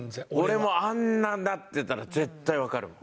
俺もあんなんなってたら絶対わかるもん。